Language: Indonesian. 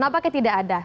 apakah tidak ada